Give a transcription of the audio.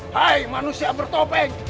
hai manusia bertopeng